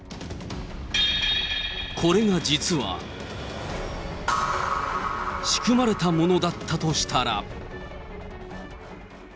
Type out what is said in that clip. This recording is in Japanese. これが実は、仕組まれたものだったとしたら。